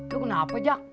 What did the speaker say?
lu kenapa jak